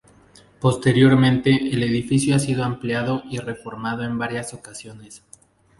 Posteriormente el edificio ha sido ampliado y reformado en varias ocasiones.